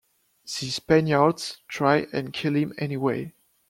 The Spaniards try and kill him anyway.